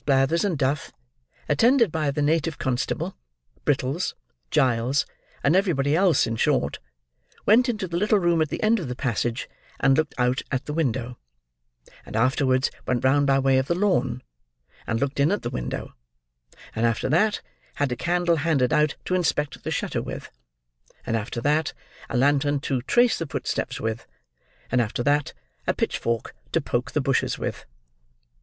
Blathers and Duff, attended by the native constable, Brittles, Giles, and everybody else in short, went into the little room at the end of the passage and looked out at the window; and afterwards went round by way of the lawn, and looked in at the window; and after that, had a candle handed out to inspect the shutter with; and after that, a lantern to trace the footsteps with; and after that, a pitchfork to poke the bushes with.